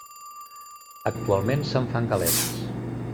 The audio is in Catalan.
Actualment se'n fan galetes.